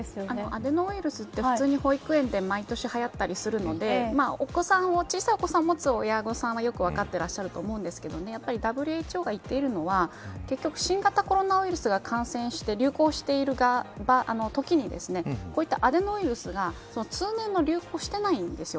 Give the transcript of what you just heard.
アデノウイルスって普通に保育園で毎年はやったりするので小さいお子さんを持つ親御さんはよく分かっていらっしゃると思うんですけどやはり、ＷＨＯがいっているのは新型コロナウイルスが感染して流行しているときにこうしたアデノウイルスが通年の流行をしていないんです。